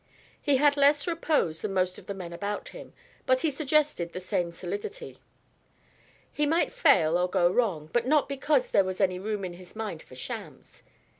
He had less repose than most of the men about him, but he suggested the same solidity. He might fail or go wrong, but not because there was any room in his mind for shams.